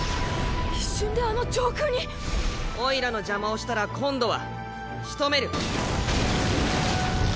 一瞬であの上空に⁉おいらの邪魔をしたら今度はしとめる。